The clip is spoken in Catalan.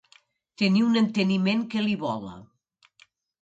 Tenir un enteniment que li vola.